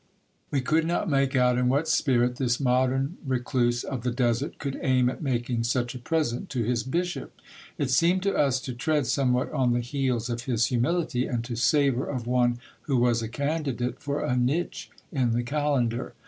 We could not make out in what spirit this modern recluse of the desert could aim at making such a present to his bishop. It seemed to us to tread somewhat on the heels of his humility, and to savour of one who was a candidate for a niche in the calendar.